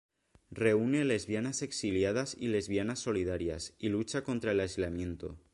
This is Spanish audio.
Reúne lesbianas exiliadas y lesbianas solidarias, y lucha contra el aislamiento.